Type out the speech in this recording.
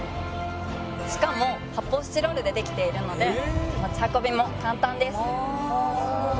しかも発泡スチロールでできているので持ち運びも簡単です。